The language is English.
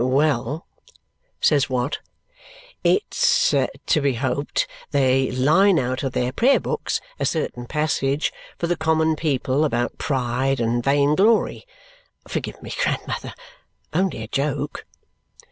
"Well," says Watt, "it's to be hoped they line out of their prayer books a certain passage for the common people about pride and vainglory. Forgive me, grandmother! Only a joke!"